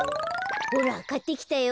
ほらかってきたよ。